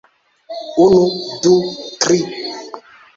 Unu... du... tri...